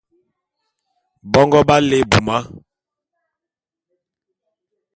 Bongo b'á lé ebuma.